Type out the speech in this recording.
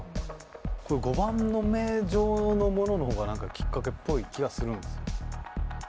これ碁盤の目状のものの方が何かきっかけっぽい気がするんです。